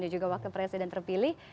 dan juga wakil presiden terpilih